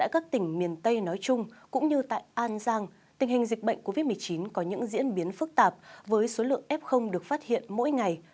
cũng như tại an giang tình hình dịch bệnh covid một mươi chín có những diễn biến phức tạp với số lượng f được phát hiện mỗi ngày